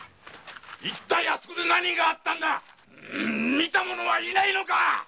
見た者はいないのか！